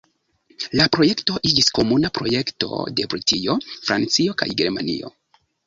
La projekto iĝis komuna projekto de Britio, Francio, kaj Germanio.